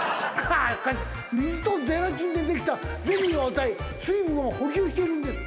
水とゼラチンでできたゼリーを与え水分を補給しているんです。